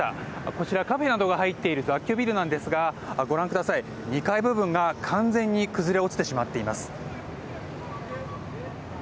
こちら、カフェなどが入っている雑居ビルなんですがご覧ください、２階部分が完全に崩れ落ちてしまっています。